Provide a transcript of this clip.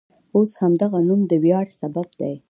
اوس همدغه نوم د ویاړ سبب دی.